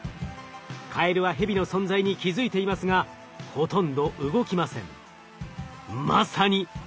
カエルはヘビの存在に気付いていますがほとんど動きません。